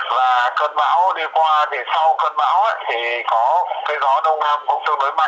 và cơn bão đi qua thì sau cơn bão thì có cái gió đông âm cũng tương đối mạnh